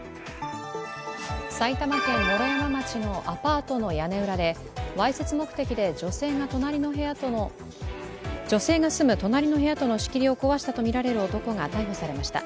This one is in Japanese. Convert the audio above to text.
埼玉県毛呂山町のアパートの屋根裏でわいせつ目的で女性が住む隣の部屋との仕切りを壊したとみられる男が逮捕されました。